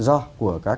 đối với tpp